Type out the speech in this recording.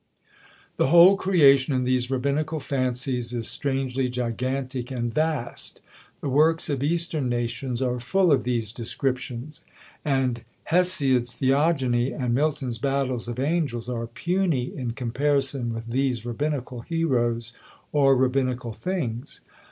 The whole creation in these rabbinical fancies is strangely gigantic and vast. The works of eastern nations are full of these descriptions; and Hesiod's Theogony, and Milton's battles of angels, are puny in comparison with these rabbinical heroes, or rabbinical things.